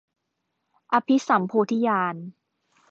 อภิสัมโพธิญาณ